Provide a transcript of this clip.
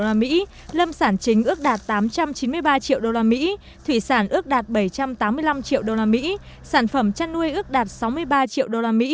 lâm sản chính ước đạt tám trăm chín mươi ba triệu usd thủy sản ước đạt bảy trăm tám mươi năm triệu usd sản phẩm chăn nuôi ước đạt sáu mươi ba triệu usd